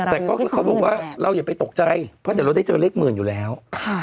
รับอยู่ที่สองหมื่นแปดแต่ก็เขาบอกว่าเราอย่าไปตกใจเพราะเดี๋ยวเราได้เจอเลขหมื่นอยู่แล้วค่ะ